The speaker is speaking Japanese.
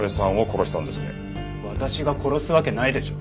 私が殺すわけないでしょう。